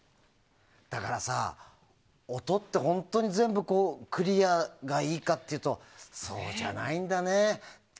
だからさ、音って本当に全部クリアがいいかというとそうじゃないんだね。